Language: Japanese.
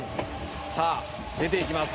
「さあ出ていきます。